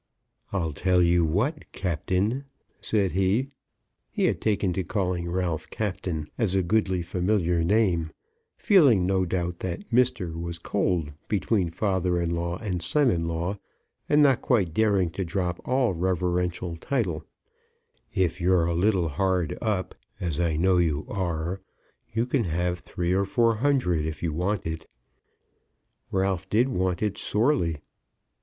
"I'll tell you what, Captain," said he; he had taken to calling Ralph Captain, as a goodly familiar name, feeling, no doubt, that Mister was cold between father in law and son in law, and not quite daring to drop all reverential title; "if you're a little hard up, as I know you are, you can have three or four hundred if you want it." Ralph did want it sorely.